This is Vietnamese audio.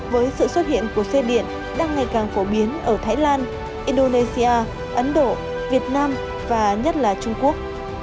với sự xuất hiện của xe điện đang ngày càng phổ biến ở thái lan indonesia ấn độ việt nam và nhất là trung quốc